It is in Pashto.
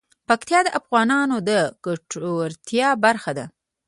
پکتیا د افغانانو د ګټورتیا برخه ده.